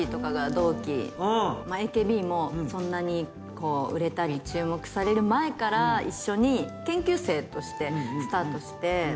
ＡＫＢもそんなに売れたり注目される前から一緒に研究生としてスタートして。